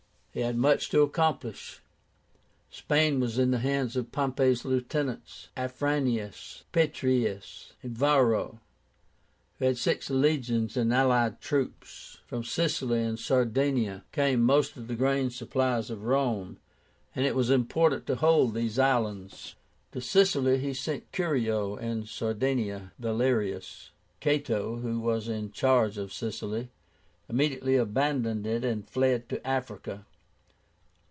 He had much to accomplish. Spain was in the hands of Pompey's lieutenants, Afranius, Petreius, and Varro, who had six legions and allied troops. From Sicily and Sardinia came most of the grain supplies of Rome, and it was important to hold these islands. To Sicily he sent Curio and to Sardinia Valerius. Cato, who was in charge of Sicily, immediately abandoned it and fled to Africa.